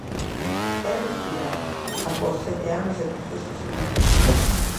"É respirar" após sete anos de proceso xudicial.